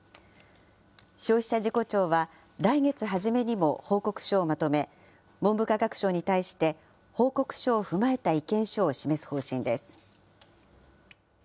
消費者事故調は、来月初めにも報告書をまとめ、文部科学省に対して、報告書を踏まえた意見書を示す方針です。